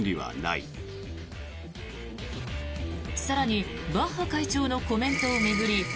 更にバッハ会長のコメントを巡り